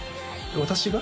私が？